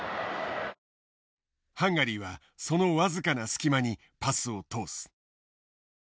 ハンガリーはその僅かな隙間にパスを通す。